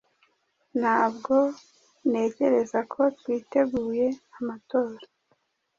Ntabwo ntekereza ko twiteguye amatora